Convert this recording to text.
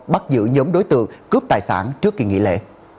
bắt giữ nhóm đối tượng cướp tài sản trước kỳ nghỉ lễ